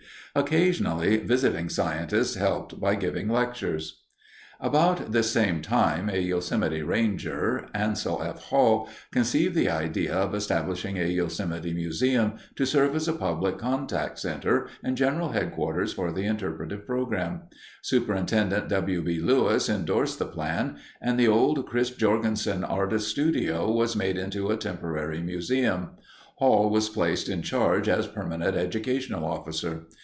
Occasionally, visiting scientists helped by giving lectures. About this same time, a Yosemite ranger, Ansel F. Hall, conceived the idea of establishing a Yosemite museum to serve as a public contact center and general headquarters for the interpretive program. Superintendent W. B. Lewis endorsed the plan, and the old Chris Jorgenson artists' studio was made into a temporary museum; Hall was placed in charge as permanent educational officer.